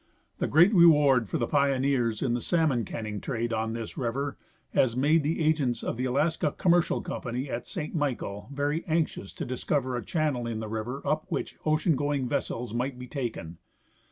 The great reward for the pioneers in the salmon canning trade on this river has made the agents of the Alaska Commercial company at Saint Michael very anxious to discover a channel in the river up Avhich ocean going vessels might be taken.